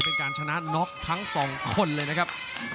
เป็นการชนะน็อกทั้งสองคนเลยนะครับ